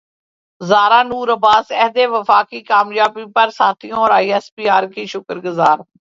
زارا نور عباس عہد وفا کی کامیابی پر ساتھیوں اور ائی ایس پی ار کی شکر گزار